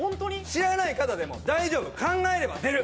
知らない方でも大丈夫考えれば出る！